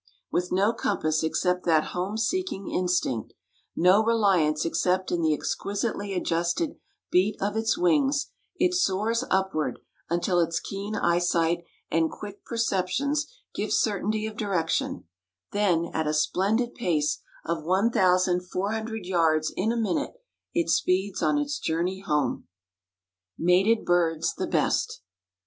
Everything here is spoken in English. With no compass except that home seeking instinct, no reliance except in the exquisitely adjusted beat of its wings, it soars upward until its keen eyesight and quick perceptions give certainty of direction; then, at a splendid pace of 1,400 yards in a minute, it speeds on its journey home. MATED BIRDS THE BEST.